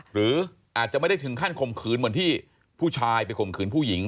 หรืออาจจะไม่ได้ถึงขั้นข่มขืนเหมือนที่ผู้ชายไปข่มขืนผู้หญิง